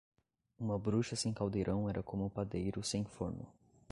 Uma bruxa sem caldeirão era como padeiro sem forno.